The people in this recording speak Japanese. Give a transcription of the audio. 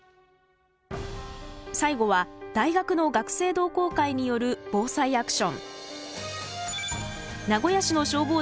最後は大学の学生同好会によるＢＯＳＡＩアクション。